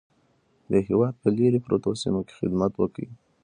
د هېواد په لیرې پرتو سیمو کې خدمت وکړئ.